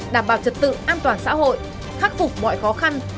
đảm bảo trật tự an toàn xã hội khắc phục mọi khó khăn